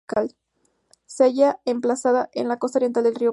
Se halla emplazada en la costa oriental del río Paraná.